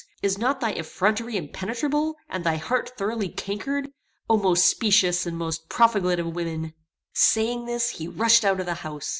Is not thy effrontery impenetrable, and thy heart thoroughly cankered? O most specious, and most profligate of women!" Saying this, he rushed out of the house.